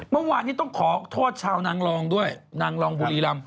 เมื่อวานนี้ต้องขอโทษชาวนางรองด้วยนางรองบุรีรำ